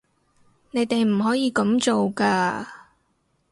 你哋唔可以噉做㗎